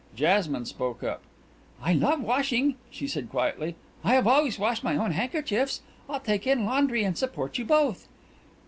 Jasmine spoke up. "I love washing," she said quietly. "I have always washed my own handkerchiefs. I'll take in laundry and support you both."